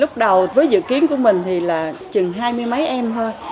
lúc đầu với dự kiến của mình thì là chừng hai mươi mấy em thôi